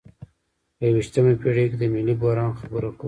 په یویشتمه پیړۍ کې د ملي بحران خبره کوو.